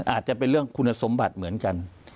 อาจจะเป็นเรื่องคุณสมบัติเหมือนกัน